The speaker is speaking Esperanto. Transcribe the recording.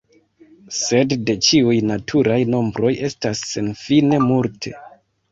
Sed de ĉiuj naturaj nombroj estas senfine multe.